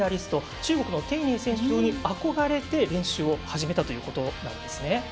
中国の丁寧選手に憧れて練習を始めたということなんですね。